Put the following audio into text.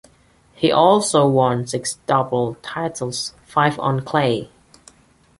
He also won six doubles titles - five on clay.